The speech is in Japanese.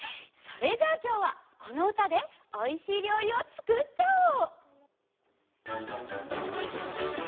それじゃあきょうはこのうたでおいしいりょうりをつくっちゃおう！